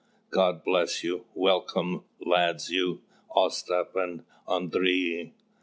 "God bless you! Welcome, lads; you, Ostap, and you, Andrii.